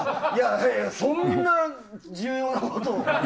そんな重要なこと。